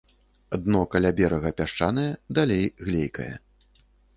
Дно каля берага пясчанае, далей глейкае.